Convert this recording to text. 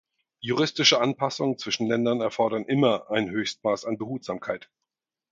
Juristische Anpassungen zwischen Ländern erfordern immer ein Höchstmaß an Behutsamkeit.